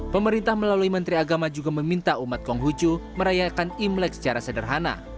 pemerintah melalui menteri agama juga meminta umat konghucu merayakan imlek secara sederhana